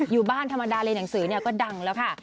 อยู่บ้านธรรมดาเรียนหนังสือเนี่ยก็ดังแล้วค่ะ